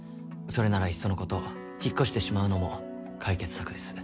それならいっそのこと引っ越してしまうのも解決策です。